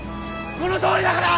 このとおりだから！